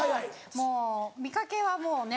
もう見かけはもうね